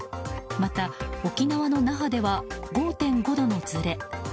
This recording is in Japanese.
また沖縄の那覇では５．５度のずれ。